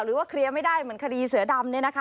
หรือว่าเคลียร์ไม่ได้เหมือนคดีเสือดำ